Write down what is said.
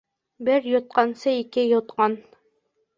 Бер йотҡансы, ике йотҡан